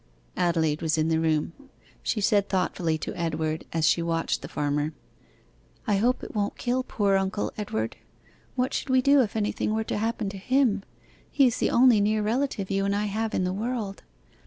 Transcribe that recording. Adelaide was in the room. She said thoughtfully to Edward, as she watched the farmer 'I hope it won't kill poor uncle, Edward. What should we do if anything were to happen to him? He is the only near relative you and I have in the world.